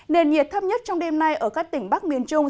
nền nhiệt thấp nhất trong đêm nay ở các tỉnh bắc miền trung